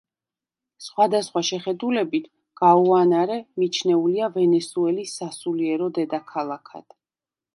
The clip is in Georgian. სხვადასხვა შეხედულებით გუანარე მიჩნეულია ვენესუელის სასულიერო დედაქალაქად.